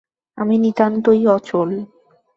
আমি নিতান্তই অচল।